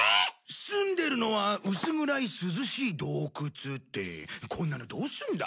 「住んでるのは薄暗い涼しい洞窟」ってこんなのどうすんだ？